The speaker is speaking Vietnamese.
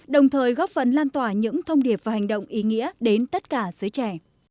đồng thời góp phần lan tỏa những thông điệp và hành động ý nghĩa đến tất cả giới trẻ